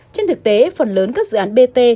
trên thực tế phần lớn các dự án bt